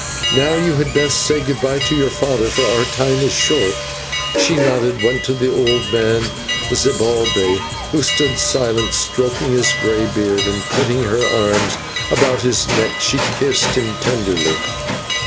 "Now you had best say good bye to your father, for our time is short." She nodded, went to the old man, Zibalbay, who stood silent, stroking his grey beard, and, putting her arms about his neck, she kissed him tenderly.